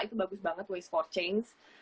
itu bagus banget waste empat chains